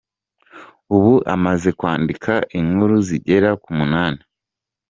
Ubu amaze kwandika inkuru zigera ku munani.